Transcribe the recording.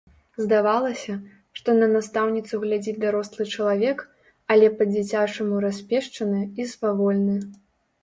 Здавалася, што на настаўніцу глядзіць дарослы чалавек, але па-дзіцячаму распешчаны і свавольны.